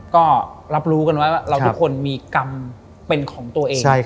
ก็รับรู้กันไว้ว่าเราทุกคนมีกรรมเป็นของตัวเอง